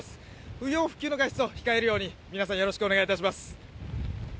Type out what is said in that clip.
不要不急の外出を控えるように皆さんお願いします。